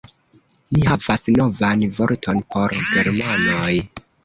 Ni havas novan vorton por germanoj